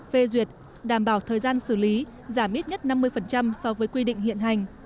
phê duyệt đảm bảo thời gian xử lý giảm ít nhất năm mươi so với quy định hiện hành